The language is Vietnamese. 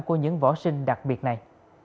của những võ sinh đặc biệt này